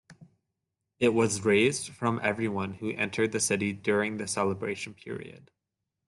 It was raised from everyone who entered the city during the celebration period.